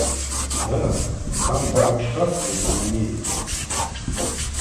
Да, но там Дармштадт был в Америке.